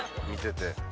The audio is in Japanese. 見てて。